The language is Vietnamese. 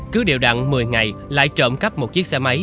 cứ điều đặn một mươi ngày lại trộm cắp một chiếc xe máy